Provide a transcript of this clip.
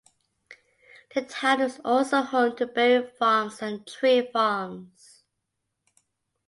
The town is also home to berry farms and tree farms.